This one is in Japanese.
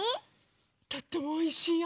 とってもおいしいよ。